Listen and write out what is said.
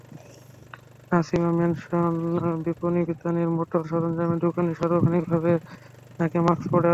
Nasima Mansion বিপণিবিতানের motor সরঞ্জামের দোকানিরা সার্বক্ষণিকভাবে নাকে মাস্ক পরে আছেন।